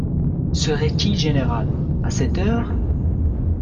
Serait-il général, à cette heure?